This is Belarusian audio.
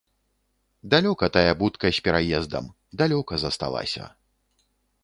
Далёка тая будка з пераездам, далёка засталася.